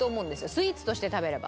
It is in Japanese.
スイーツとして食べれば。